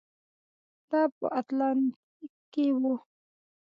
دا په اتلانتیک کې و.